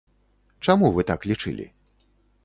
Чаму вы так лічылі?